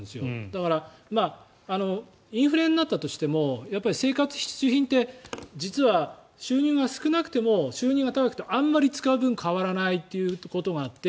だからインフレになったとしても生活必需品って実は収入が少なくても収入が高くてもあんまり使う分変わらないということがあって。